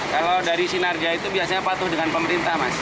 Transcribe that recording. kalau dari sinarja itu biasanya patuh dengan pemerintah mas